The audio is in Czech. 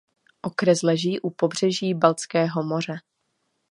Okres leží u pobřeží Baltského moře.